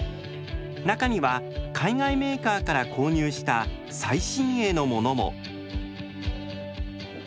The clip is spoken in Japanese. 中には海外メーカーから購入した最新鋭のものも。